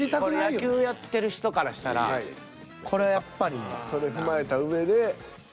野球をやってる人からしたらこれはやっぱりね。